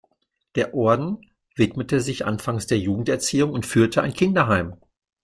Der Orden widmete sich anfangs der Jugenderziehung und führte ein Kinderheim.